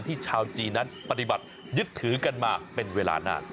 ชาวจีนนั้นปฏิบัติยึดถือกันมาเป็นเวลานาน